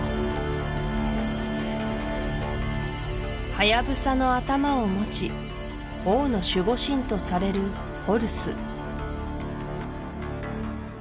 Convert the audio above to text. ハヤブサの頭を持ち王の守護神とされるホルス